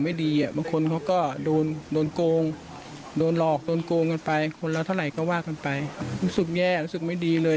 มันไปรู้สึกแย่รู้สึกไม่ดีเลย